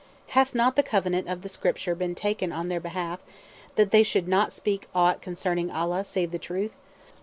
Hath not the covenant of the Scripture been taken on their behalf that they should not speak aught concerning Allah save the truth?